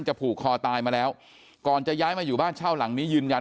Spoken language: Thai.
ผูกคอตายมาแล้วก่อนจะย้ายมาอยู่บ้านเช่าหลังนี้ยืนยัน